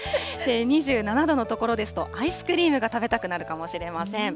２７度の所ですと、アイスクリームが食べたくなるかもしれません。